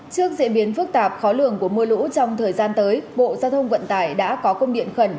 trước diễn biến phức tạp khó lường của mưa lũ trong thời gian tới bộ giao thông vận tải đã có công điện khẩn